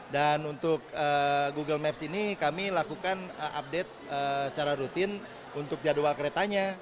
dan untuk google maps ini kami lakukan update secara rutin untuk jadwal keretanya